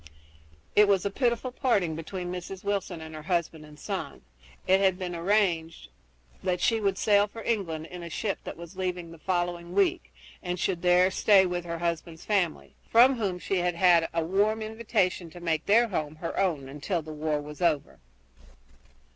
It was a pitiful parting between Mrs. Wilson and her husband and son. It had been arranged that she should sail for England in a ship that was leaving in the following week and should there stay with her husband's family, from whom she had a warm invitation to make their home her own until the war was over.